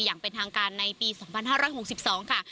อย่างเป็นทางการในปี๒๕๖๒ค่ะ